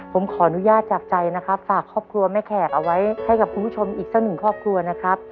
ผมขออนุญาตจากใจนะครับฝากครอบครัวแม่แขกเอาไว้ให้กับคุณผู้ชมอีกสักหนึ่งครอบครัวนะครับ